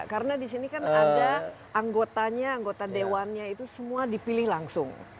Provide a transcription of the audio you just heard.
karena di sini kan ada anggotanya anggota dewannya itu semua dipilih langsung